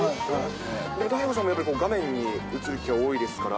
ＤＡＩＧＯさんもやっぱり、画面に映る機会多いですから。